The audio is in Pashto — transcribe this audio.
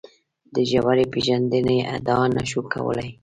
د ژورې پېژندنې ادعا نه شو کولای.